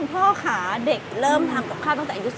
พ่อค่ะเด็กเริ่มทำกับข้าวตั้งแต่อายุ๑๓